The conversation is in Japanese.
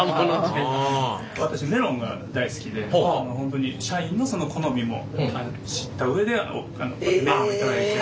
私メロンが大好きで本当に社員の好みも知った上でメロンを頂いて。